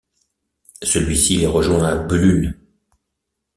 Celui-ci les rejoint à Bulun.